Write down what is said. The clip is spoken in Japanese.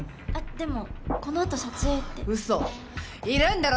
でもこのあと撮影ってウソいるんだろ？